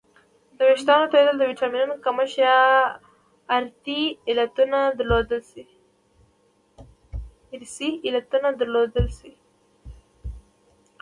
د وېښتانو تویدل د ویټامینونو کمښت یا ارثي علتونه درلودلی شي